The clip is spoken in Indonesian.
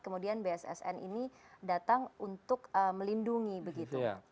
kemudian bssn ini datang untuk melindungi begitu